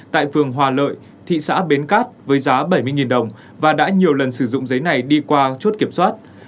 tại phường hòa lợi thị xã bến cát với giá bảy mươi đồng và đã nhiều lần sử dụng giấy này đi qua chốt kiểm soát